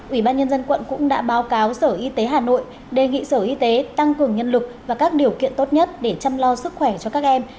ủy ban nhân dân quận cũng đã báo cáo sở y tế hà nội đề nghị sở y tế tăng cường nhân lực và các điều kiện tốt nhất để chăm lo sức khỏe cho các em